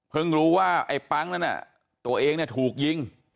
เพิ่งรู้ว่าไอ้ปั้งนั้นตัวเองถูกยิง